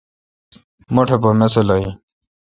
مٹھ پا ماسلہ این۔